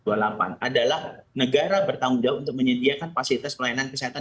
adalah negara bertanggung jawab untuk menyediakan fasilitas pelayanan kesehatan